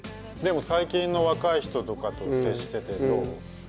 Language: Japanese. でも最近の若い人とかと接しててどう？